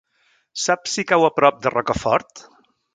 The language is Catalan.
Saps si cau a prop de Rocafort?